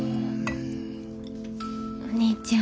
お兄ちゃん。